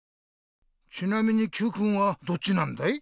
ちなみにＱくんはどっちなんだい？